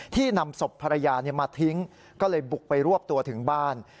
นำศพภรรยามาทิ้งก็เลยบุกไปรวบตัวถึงบ้าน